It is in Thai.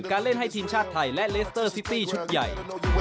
เล่นให้ทีมชาติไทยและเลสเตอร์ซิตี้ชุดใหญ่